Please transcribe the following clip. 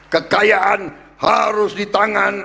kekayaan harus di tangan